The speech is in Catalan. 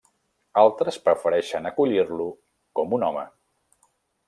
Altres prefereixen acollir-lo com un home.